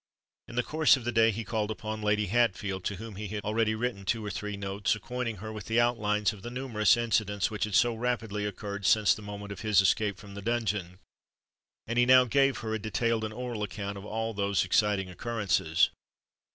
In the course of the day he called upon Lady Hatfield, to whom he had already written two or three notes, acquainting her with the outlines of the numerous incidents which had so rapidly occurred since the moment of his escape from the dungeon: and he now gave her a detailed and oral account of all those exciting occurrences.